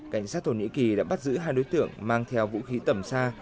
cảnh sát thổ nhĩ kỳ đã bắt giữ hai đối tượng mang theo vũ khí tầm xa